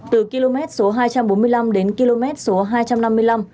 từ km số hai trăm bốn mươi năm đến km số hai trăm năm mươi năm